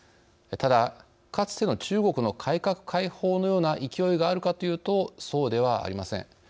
ただ、かつての中国の改革開放のような勢いがあるかというと、そうではありません。